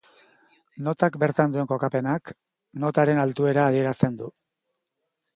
Notak bertan duen kokapenak, notaren altuera adierazten du.